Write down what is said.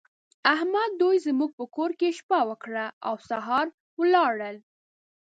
احمد دوی زموږ په کور کې شپه وکړه او سهار ولاړل.